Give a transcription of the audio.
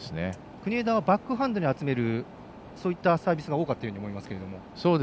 国枝はバックハンドに集めるそういったサービスが多かったと思いますけど。